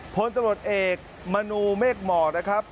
พลตำรวจเอกมนูเมฆหมอกนะครับ